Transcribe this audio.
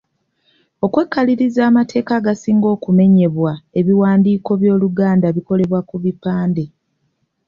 Okwekaliriza amateeka agasinga okumenyebwa ebiwandiiko by'Oluganda ebikolebwa ku bipande.